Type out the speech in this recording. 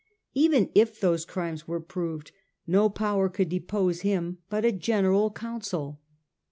Even if those crimes were proved, no power could depose him but a general council.